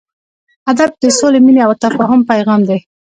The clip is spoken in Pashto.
ادب د سولې، مینې او تفاهم پیغام دی.